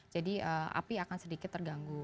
jadi api akan sedikit terganggu